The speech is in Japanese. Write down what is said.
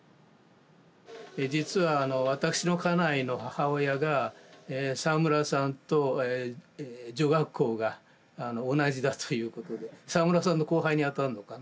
実は私の家内の母親がええ沢村さんと女学校が同じだということで沢村さんの後輩にあたるのかな。